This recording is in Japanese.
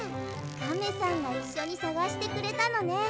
カメさんがいっしょにさがしてくれたのね！